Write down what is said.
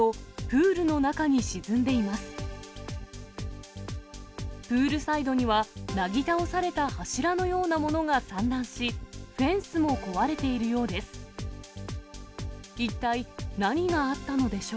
プールサイドには、なぎ倒された柱のようなものが散乱し、フェンスも壊れているようです。